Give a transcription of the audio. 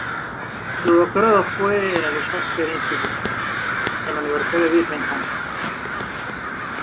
Su doctorado fue en el "Shakespeare Institute", en la Universidad de Birmingham.